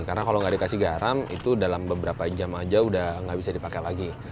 karena kalau enggak dikasih garam itu dalam beberapa jam aja udah enggak bisa dipakai lagi